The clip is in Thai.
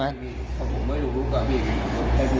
ทำไมมันถูกไกลเลย